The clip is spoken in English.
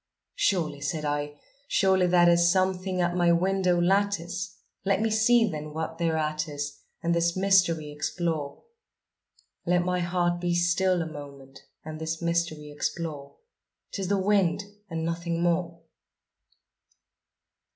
"Surely," said I, "surely that is something at my window lattice; Let me see then, what thereat is, and this mystery explore Let my heart be still a moment and this mystery explore; 'Tis the wind and nothing more!"